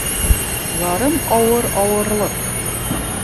Ярым ауыр ауырлыҡ